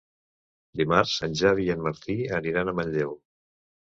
Dimarts en Xavi i en Martí aniran a Manlleu.